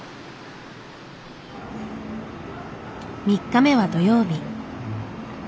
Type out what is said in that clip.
３日目は土曜日。